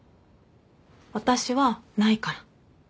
私はないから。